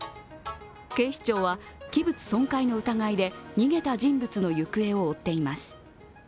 警視庁は器物損壊の疑いで逃げた人物の行方を追っています。